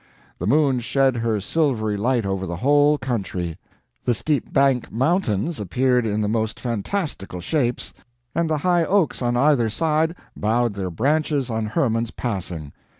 The moon shed her silvery light over the whole country; the steep bank mountains appeared in the most fantastical shapes, and the high oaks on either side bowed their Branches on Hermann's passing.